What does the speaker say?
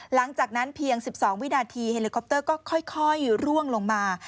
หลังจากนั้นเพียง๑๒วินาทีเฮลิคอปเตอร์ก็ค่อยร่วงลงมา